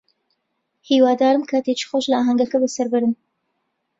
هیوادارم کاتێکی خۆش لە ئاهەنگەکە بەسەر بەرن.